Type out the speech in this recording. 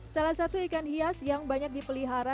salah satu ikan hias yang banyak dipelihara